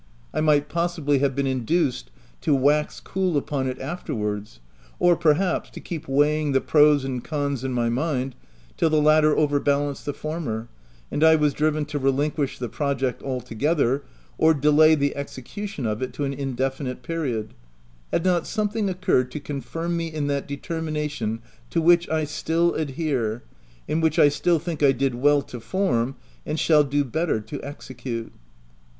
I might possibly have been induced to wax cool upon it after wards, or perhaps, to keep weighing the pros and cons in my mind till the latter overbalanced the former, and I was driven to relinquish the project altogether, or delay the execution of it to an indefinite period, — had not something oc curred to confirm me in that determination to which I still adhere, which I still think I did well to form, and shall do better to execute.